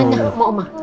nggak nggak mau oma